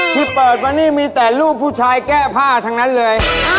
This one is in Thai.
ที่เปิดมานี่มีแต่รูปผู้ชายแก้ผ้าทั้งนั้นเลย